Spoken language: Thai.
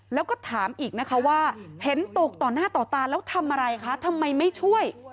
แล้วก็ถามอีกนะคะว่าเห็นตกต่อหน้าต่อตาแล้วทำอะไรคะทำไมไม่ช่วย